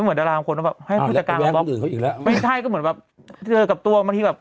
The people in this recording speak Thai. มันไม่เหมือนดารางคุณ